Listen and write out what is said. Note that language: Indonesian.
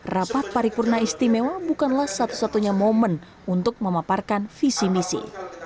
rapat paripurna istimewa bukanlah satu satunya momen untuk memaparkan visi misi